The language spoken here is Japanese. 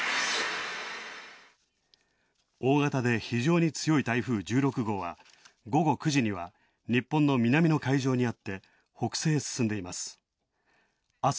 大型で非常に強い台風１６号は午後９時には日本の南の海上にあって、北西へ進んでいます。